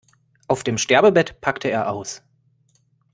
Auf dem Sterbebett packte er aus.